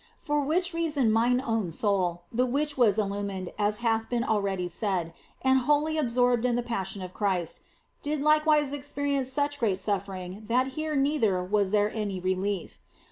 For which reason mine own soul (the which was illumined, as hath been already said, and wholly absorbed in the Passion of Christ) did likewise experience such great suffering that here, neither, was there any relief.